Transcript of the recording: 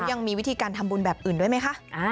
ยังมีวิธีการทำบุญแบบอื่นด้วยไหมคะ